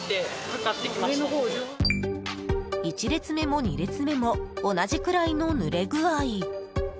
１列目も２列目も同じくらいのぬれ具合。